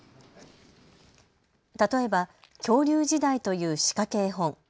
例えば恐竜時代という仕掛け絵本。